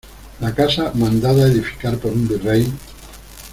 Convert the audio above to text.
la casa, mandada edificar por un virrey